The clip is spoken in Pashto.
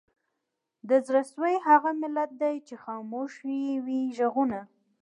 د زړه سوي هغه ملت دی چي خاموش یې وي ږغونه